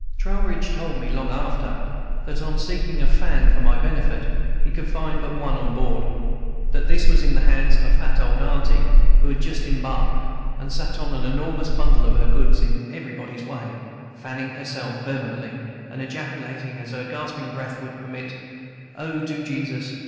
Trowbridge told me, long after, that, on seeking a fan for my benefit, he could find but one on board. That was in the hands of a fat old "aunty," who had just embarked, and sat on an enormous bundle of her goods, in everybody's way, fanning herself vehemently, and ejaculating, as her gasping breath would permit, "Oh! Do, Jesus!